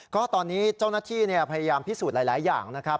ก็ตอนนี้เจ้าหน้าที่พยายามพิสูจน์หลายอย่างนะครับ